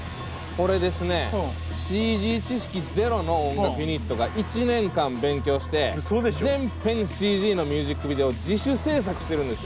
これですねＣＧ知識ゼロの音楽ユニットが１年間勉強して全編ＣＧのミュージックビデオを自主制作してるんですよ。